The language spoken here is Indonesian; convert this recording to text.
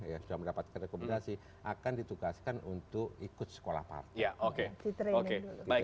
yang sudah mendapatkan rekomendasi akan ditugaskan untuk ikut sekolah partai